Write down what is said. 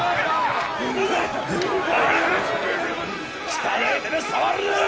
汚い手で触るな！